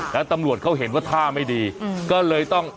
แล้วตำรวจเขาเห็นว่าท่าไม่ดีก็เลยต้อง